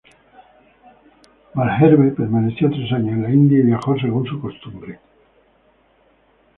Malherbe permaneció tres años en la India y viajó según su costumbre.